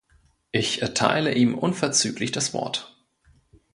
Ich erteile ihm unverzüglich das Wort.